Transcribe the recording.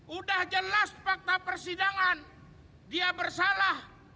udah jelas fakta persidangan dia bersalah